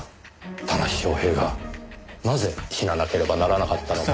田無昌平がなぜ死ななければならなかったのか。